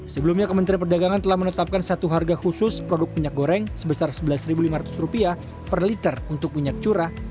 sebelumnya kementerian perdagangan telah menetapkan satu harga khusus produk minyak goreng sebesar rp sebelas lima ratus per liter untuk minyak curah